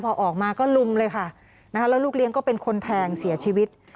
พอออกมาก็ลุมเลยค่ะแล้วลูกเลี้ยงก็เป็นคนแทงเสียชีวิต